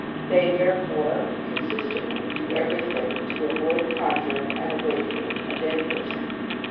They therefore consistently do everything to avoid conjuring and awakening a dead person.